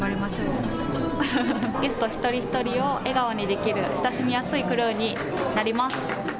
ゲスト一人一人を笑顔にできる親しみやすいクルーになります。